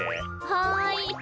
はい。